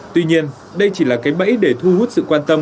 tuy nhiên đây chỉ là cái bẫy để thu hút sự quan tâm